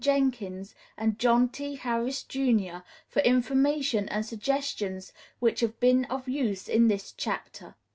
Jenkins, and John T. Harris, Jr., for information and suggestions which have been of use to us in this chapter.